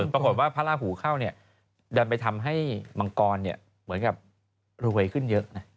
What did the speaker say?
เป็นผลว่าพระอาหู้เข้าเนี่ยดันไปทำให้มังกรเหมือนกับรวยขึ้นเยอะ